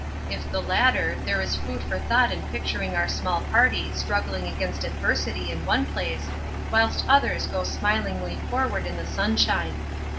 If the latter, there is food for thought in picturing our small party struggling against adversity in one place whilst others go smilingly forward in the sunshine.